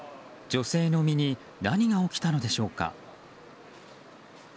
女性の身に何が起きたのでしょうか。